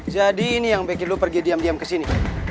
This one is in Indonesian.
jadi ini yang bikin lo pergi diam diam kesini